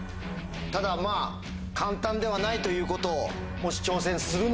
ただ簡単ではないということをもし。